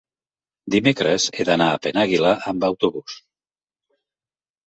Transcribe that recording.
Dimecres he d'anar a Penàguila amb autobús.